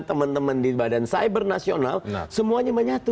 teman teman di badan cyber nasional semuanya menyatu